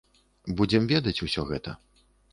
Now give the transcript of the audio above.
Будзем ведаць усе гэта.